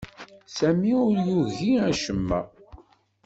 Sami ur igi acemma.